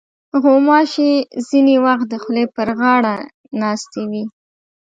غوماشې ځینې وخت د خولې پر غاړه ناستې وي.